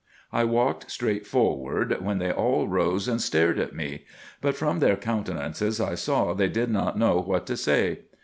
I walked straight forward, when they all rose and stared at me ; but from their countenances I saw they did not know what to say.